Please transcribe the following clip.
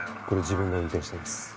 これ自分が運転してます